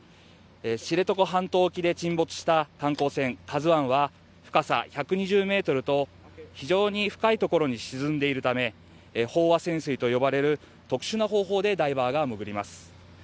知床半島沖で沈没した観光船「ＫＡＺＵⅠ」は深さ１２０ｍと非常に深いところに沈んでいるため飽和潜水と呼ばれる特殊な方法でダイバーが潜ります。